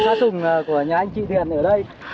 con xa sùng của nhà anh chị thiền ở đây